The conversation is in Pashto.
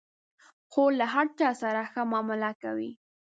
خور له هر چا سره ښه معامله کوي.